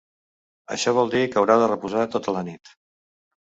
Això vol dir que haurà de reposar tota la nit.